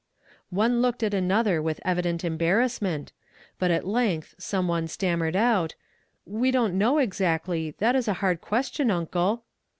One looked at another with evident embarrassment; but at length some one stammered out "We don't know exactly; that is a hard question, Uncle."